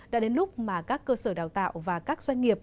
đã đến lúc mà các cơ sở đào tạo và các doanh nghiệp